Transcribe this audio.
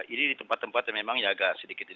ini di tempat tempat yang memang ya agak sedikit